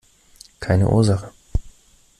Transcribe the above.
Keine Ursache!